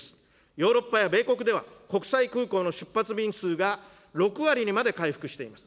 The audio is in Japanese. ヨーロッパや米国では、国際空港の出発便数が６割にまで回復しています。